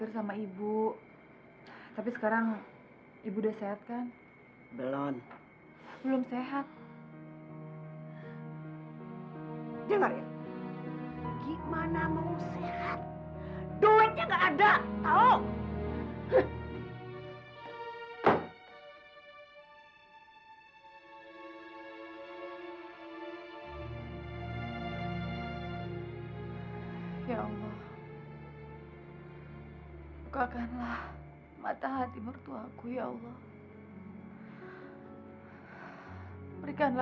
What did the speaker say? saya tahu saya pasti akan menang